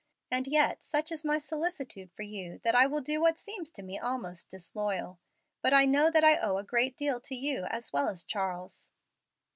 And yet such is my solicitude for you that I will do what seems to me almost disloyal. But I know that I owe a great deal to you as well as Charles."